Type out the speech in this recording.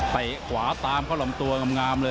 แตะขวาตามเข้าหล่อมตัวงามเลย